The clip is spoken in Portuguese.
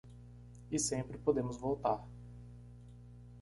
E sempre podemos voltar.